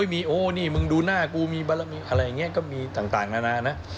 มีโอ้นี่มึงดูหน้ากูมีบารมีอะไรอย่างนี้ก็มีต่างนานานะ